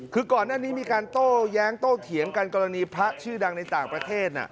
คือก่อนหน้านี้มีการโต้แย้งโตเถียงกันกรณีพระชื่อดังในต่างประเทศ